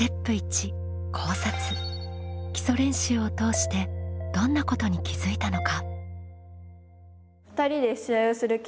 基礎練習を通してどんなことに気づいたのか？